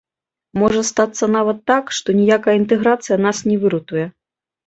Можа стацца нават так, што ніякая інтэграцыя нас не выратуе.